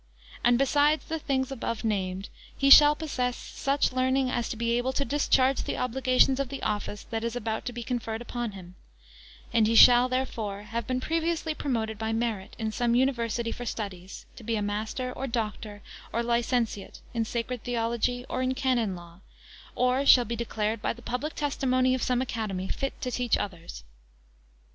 And, besides the things above named, he shall possess such learning as to be able to discharge the obligations of the office that is about to be conferred upon him; and he shall, therefore, have been previously promoted by merit, in some university for studies, to be a master, or doctor, or licentiate, in sacred theology, or in canon law; or shall be declared, by the public testimony of some academy, fit to teach others.